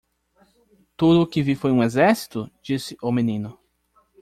"Tudo o que vi foi um exército?" disse o menino.